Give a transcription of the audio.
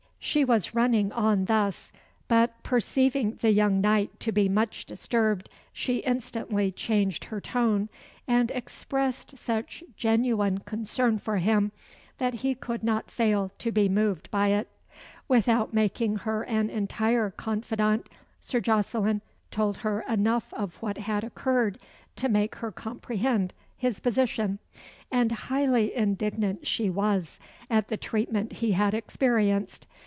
She was running on thus, but perceiving the young knight to be much disturbed, she instantly changed her tone, and expressed such genuine concern for him, that he could not fail to be moved by it. Without making her an entire confidante, Sir Jocelyn told her enough of what had occurred to make her comprehend his position; and highly indignant she was at the treatment he had experienced.